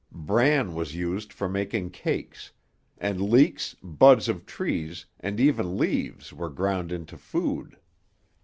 Bran was used for making cakes; and leeks, buds of trees, and even leaves, were ground into food.